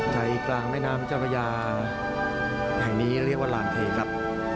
ใจกลางแม่น้ำเจ้าพระยาแห่งนี้เรียกว่าลานเทครับ